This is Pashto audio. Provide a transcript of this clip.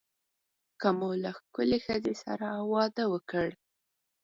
که مو له ښکلې ښځې سره واده وکړ.